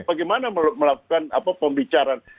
bagaimana melakukan pembicaraan